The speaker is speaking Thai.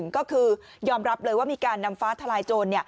ก็คือยอมรับเลยว่ามีการนำฟ้าทลายโจร